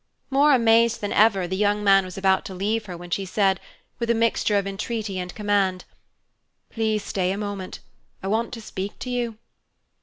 More amazed than ever, the young man was about to leave her when she said, with a mixture of entreaty and command, "Please stay a moment. I want to speak to you."